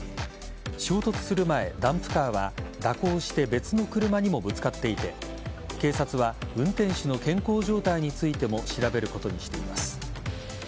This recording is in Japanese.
衝突する前、ダンプカーは蛇行して別の車にもぶつかっていて警察は運転手の健康状態についても調べることにしています。